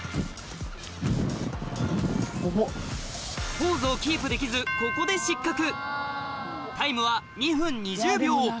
ポーズをキープできずここで失格タイムはえっ？